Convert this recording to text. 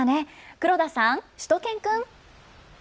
黒田さん、しゅと犬くん。